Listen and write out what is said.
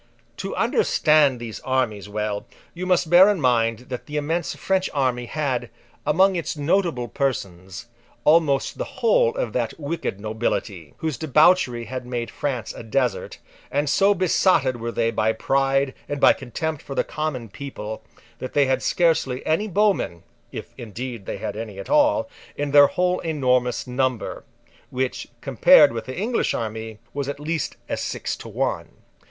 To understand these armies well, you must bear in mind that the immense French army had, among its notable persons, almost the whole of that wicked nobility, whose debauchery had made France a desert; and so besotted were they by pride, and by contempt for the common people, that they had scarcely any bowmen (if indeed they had any at all) in their whole enormous number: which, compared with the English army, was at least as six to one.